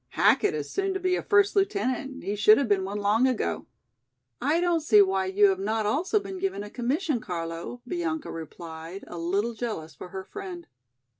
Hackett is soon to be a first lieutenant, he should have been one long ago." "I don't see why you have not also been given a commission, Carlo," Bianca replied, a little jealous for her friend.